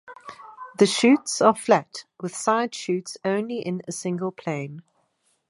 The shoots are flat, with side shoots only in a single plane.